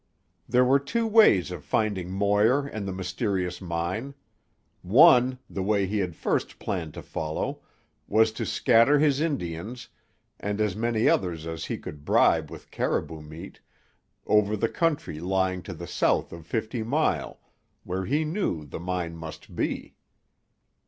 There were two ways of finding Moir and the mysterious mine. One—the way he had first planned to follow—was to scatter his Indians, and as many others as he could bribe with caribou meat, over the country lying to the south of Fifty Mile, where he knew the mine must be.